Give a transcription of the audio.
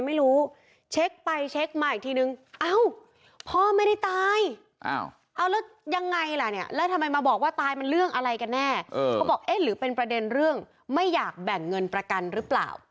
อะไรกันแน่เขาบอกเอ๊ะหรือเป็นประเด็นเรื่องไม่อยากแบ่งเงินประกันหรือเปล่า